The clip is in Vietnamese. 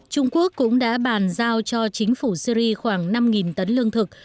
trung quốc cũng đã bàn giao cho chính phủ syri khoảng năm tấn lương thực